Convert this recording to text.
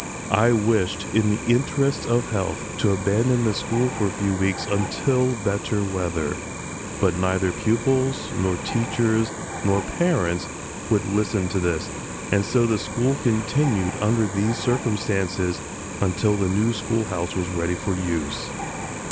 I wished, in the interest of health, to abandon the school for a few weeks until better weather; but neither pupils, nor teachers, nor parents would listen to this, and so the school continued under these circumstances until the new schoolhouse was ready for use.